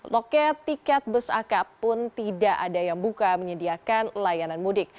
loket tiket bus akap pun tidak ada yang buka menyediakan layanan mudik